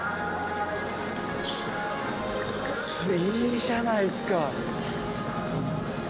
いいじゃないですか。